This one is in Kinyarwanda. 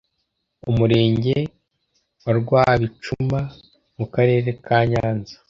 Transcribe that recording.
Umurenge wa Rwabicuma mu Karere ka Nyanza